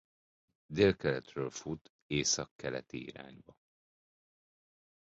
Délkeletről fut északkeleti irányban.